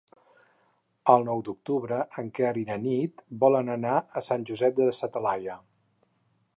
El nou d'octubre en Quer i na Nit volen anar a Sant Josep de sa Talaia.